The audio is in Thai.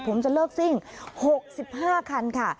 ผมจะเลิกซิ่ง๖๕คันค่ะ